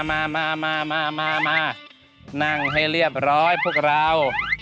มามานั่งให้เรียบร้อยพวกเรา